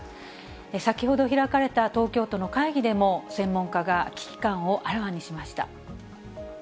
先ほど開かれた東京都の会議でも、専門家が危機感をあらわにしました。